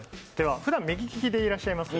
ふだん右利きでいらっしゃいますか。